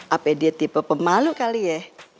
apa dia tipe pemalu kali ya